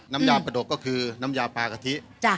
น้ำยาประดกก็คือน้ำยาปลากะทิ